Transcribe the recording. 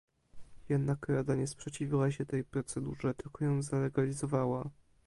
Jednak Rada nie sprzeciwiła się tej procedurze, tylko ją zalegalizowała!